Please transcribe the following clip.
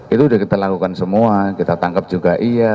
itu sudah kita lakukan semua kita tangkap juga iya